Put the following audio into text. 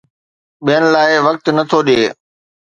ٻين لاءِ وقت نه ٿو ڏئي